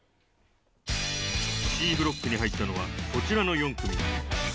Ｃブロックに入ったのはこちらの４組。